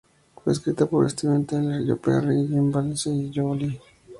Fue escrita por Steven Tyler, Joe Perry, Jim Vallance y Holly Knight.